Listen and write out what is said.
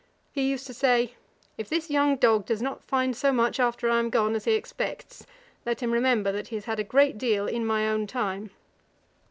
He used to say, 'If this young dog does not find so much after I am gone as he expects, let him remember that he has had a great deal in my own time.'